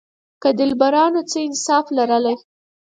که دلبرانو څه انصاف لرلای.